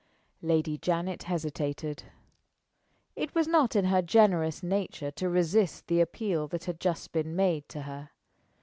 Lady Janet hesitated. It was not in her generous nature to resist the appeal that had just been made to her.